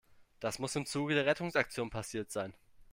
Das muss im Zuge der Rettungsaktion passiert sein.